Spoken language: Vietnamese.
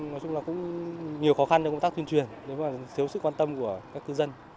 nói chung là cũng nhiều khó khăn trong công tác tuyên truyền nếu mà thiếu sức quan tâm của các cư dân